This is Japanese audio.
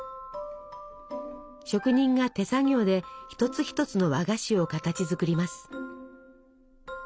職人が手作業で一つ一つの和菓子を形づくります。